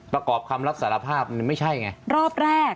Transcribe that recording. ประกอบคำลับสารภาพไม่ใช่ไง